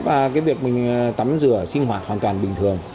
và cái việc mình tắm rửa sinh hoạt hoàn toàn bình thường